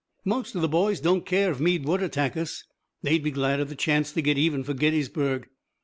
Most of the boys don't care if Meade would attack us. They'd be glad of the chance to get even for Gettysburg."